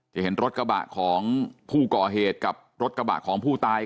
เห็นรถกระบะของผู้ก่อเหตุกับรถกระบะของผู้ตาย